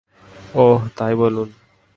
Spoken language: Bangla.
ওহ, তাই বলুন।